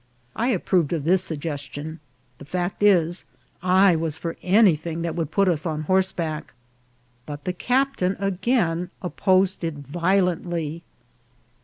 I approved of this suggestion ; the fact is, I was for anything that put us on horseback ; but the captain again opposed it violently.